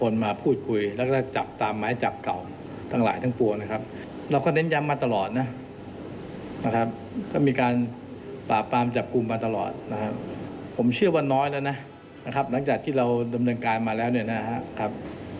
น้อยมากนะครับ